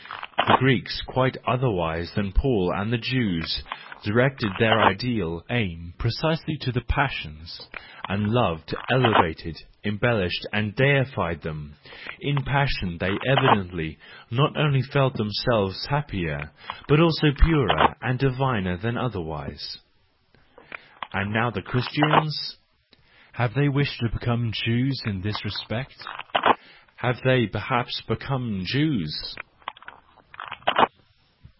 The Greeks, quite otherwise than Paul and the Jews, directed their ideal aim precisely to the passions, and loved, elevated, embellished and deified them : in passion they evidently not only felt them¬ selves happier, but also purer and diviner than otherwise.—And now the Christians ? Have they wished to become Jews in this respect? Have they perhaps become Jews